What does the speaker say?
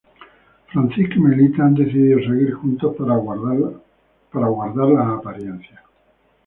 Francisco y Melita han decidido seguir juntos para guardar las apariencias.